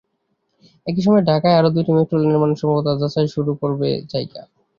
একই সময়ে ঢাকায় আরও দুটি মেট্রোরেল নির্মাণে সম্ভাব্যতা যাচাই শুরু করবে জাইকা।